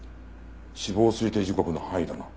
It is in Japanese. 死亡推定時刻の範囲だな。